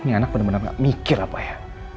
ini anak bener bener gak mikir apa ya